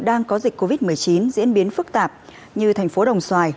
đang có dịch covid một mươi chín diễn biến phức tạp như thành phố đồng xoài